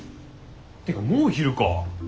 てかもう昼か。